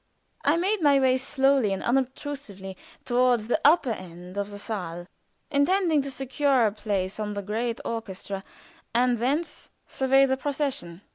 I made my way slowly and unobtrusively toward the upper end of the saal, intending to secure a place on the great orchestra, and thence survey the procession.